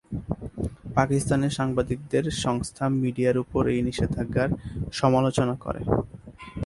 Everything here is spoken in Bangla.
পাকিস্তানের সাংবাদিকদের সংস্থা মিডিয়ার উপর এই নিষেধাজ্ঞার সমালোচনা করে।